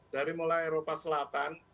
dari mulai eropa selatan